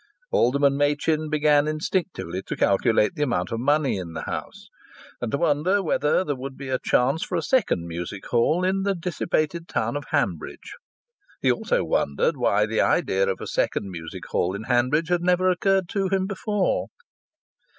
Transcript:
Alderman Machin began instinctively to calculate the amount of money in the house, and to wonder whether there would be a chance for a second music hall in the dissipated town of Hanbridge. He also wondered why the idea of a second music hall in Hanbridge had never occurred to him before.